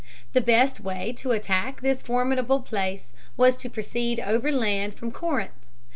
The best way to attack this formidable place was to proceed overland from Corinth.